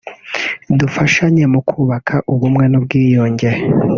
dufashanye mu kubaka ubumwe n’ubwiyunge